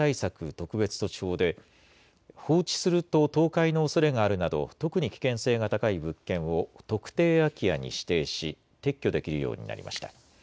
特別措置法で放置すると倒壊のおそれがあるなど特に危険性が高い物件を特定空き家に指定し撤去できるようになりました。